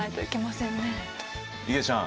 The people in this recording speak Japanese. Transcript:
いげちゃん